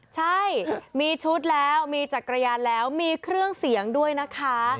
ใช่มีชุดแล้วมีจักรยานแล้วมีเครื่องเสียงด้วยนะคะ